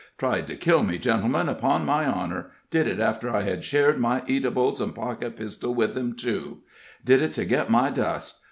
Tried to kill me, gentlemen, upon my honor! did it after I had shared my eatables and pocket pistol with him, too. Did it to get my dust.